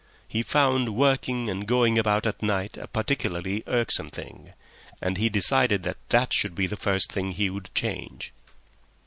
He found working and going about at night a particularly irksome thing, and he decided that that should be the first thing he would change.